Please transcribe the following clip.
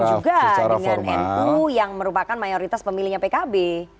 sama juga dengan nu yang merupakan mayoritas pemilihnya pkb